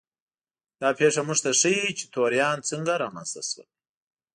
دا پېښه موږ ته ښيي چې توریان څنګه رامنځته شول.